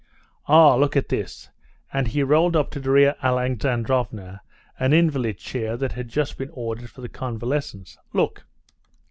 "Ah! look at this," and he rolled up to Darya Alexandrovna an invalid chair that had just been ordered for the convalescents. "Look."